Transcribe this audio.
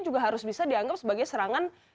juga harus bisa dianggap sebagai serangan